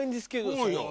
そうよ。